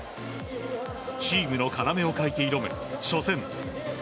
チームの要を欠いて挑む初戦。